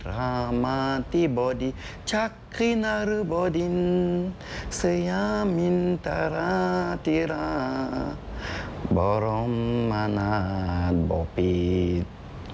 ระมทีบดิจักษ์กินอรุบดินสยามินตราทีราบรมมนาตบบิท